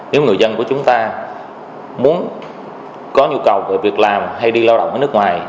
nếu người dân của chúng ta muốn có nhu cầu về việc làm hay đi lao động ở nước ngoài